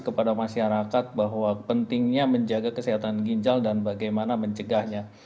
kepada masyarakat bahwa pentingnya menjaga kesehatan ginjal dan bagaimana mencegahnya